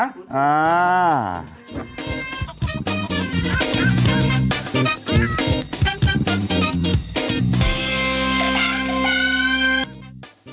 อ้าว